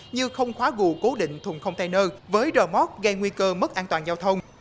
như không khóa gù cố định thùng container với remote gây nguy cơ mất an toàn giao thông